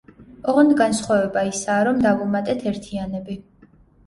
ოღონდ განსხვავება ისაა, რომ დავუმატეთ ერთიანები.